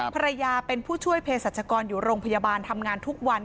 ภรรยาเป็นผู้ช่วยเพศรัชกรอยู่โรงพยาบาลทำงานทุกวัน